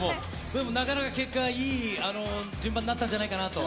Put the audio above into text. でも、なかなか結果は、いい順番になったんじゃないかなと。